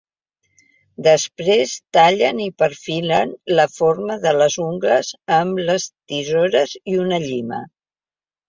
Després, tallen i perfilen la forma de les ungles amb les tisores i una llima.